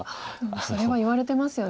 でもそれは言われてますよね。